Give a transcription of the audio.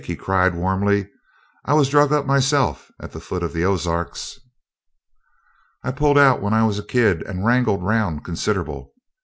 he cried warmly. "I was drug up myself at the foot of the Ozarks." "I pulled out when I was a kid and wrangled 'round considerible."